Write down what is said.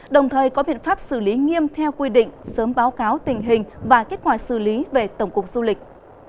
đồng thời có biện pháp xử lý nghiêm theo quy định sớm báo cáo tình hình và kết quả xử lý về tổng cục du lịch